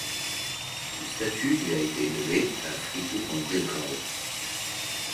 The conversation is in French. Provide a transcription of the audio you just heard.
Une statue lui a été élevée à Fribourg-en-Brisgau.